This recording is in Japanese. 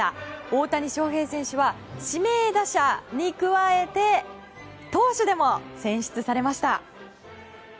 大谷翔平選手は指名打者に加えて投手でも選出されました。